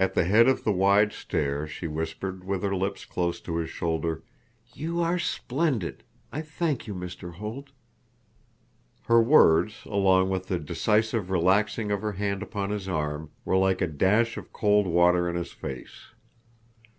At the head of the wide stair she whispered, with her lips close to his shoulder: "You are splendid! I thank you, Mr. Holt." Her words, along with the decisive relaxing of her hand upon his arm, were like a dash of cold water in his face.